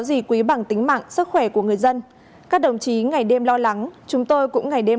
gì quý bằng tính mạng sức khỏe của người dân các đồng chí ngày đêm lo lắng chúng tôi cũng ngày đêm